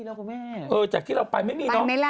นครพนมเล่วจากที่เราไปพี่ไปในที่ไหนอ่ะ